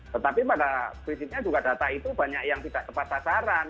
tetapi pada prinsipnya juga data itu banyak yang tidak tepat sasaran